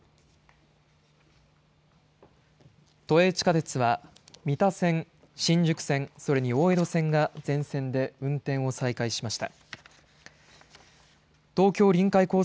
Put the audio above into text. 都営地下鉄は三田線新宿線、それに大江戸線が全線で運転を再開しました。